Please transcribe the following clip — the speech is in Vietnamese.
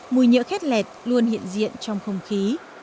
mùi nhựa khét lẹt luôn hiện diện trong không khí